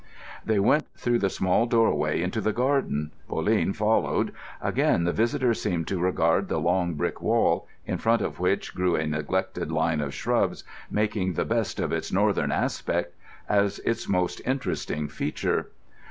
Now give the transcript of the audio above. They went through the small doorway into the garden. Pauline followed. Again the visitor seemed to regard the long brick wall—in front of which grew a neglected line of shrubs, making the best of its northern aspect—as its most interesting feature.